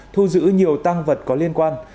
thu giữ nhiều tăng vật có liên quan